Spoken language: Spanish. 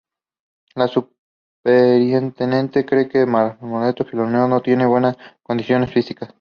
El superintendente cree que Mortadelo y Filemón no tienen buenas condiciones físicas.